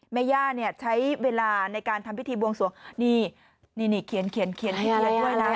แม่ย่าใช้เวลาในการทำพิธีบวงสวงนี่นี่นี่เขียนอะไร